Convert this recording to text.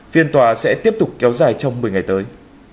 phiên tòa sẽ tiếp tục kéo dài trong một mươi ngày tới